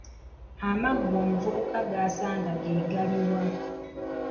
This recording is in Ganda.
Amaggwa omuvubuka g’asanga ge galuwa?